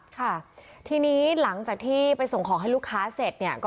ค่ะทีนี้หลังจากที่ไปส่งของให้ลูกค้าเสร็จเนี่ย